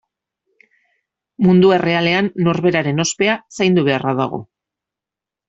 Mundu errealean norberaren ospea zaindu beharra dago.